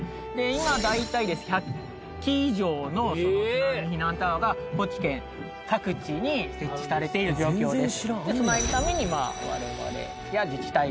今大体１００基以上の津波避難タワーが高知県各地に設置されている状況です。